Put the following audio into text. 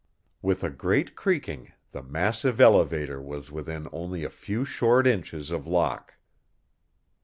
With a great creaking the massive elevator was within only a few short inches of Locke.